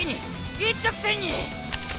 一直線に！